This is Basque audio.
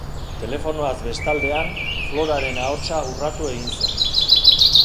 Telefonoaz bestaldean, Floraren ahotsa urratu egin zen.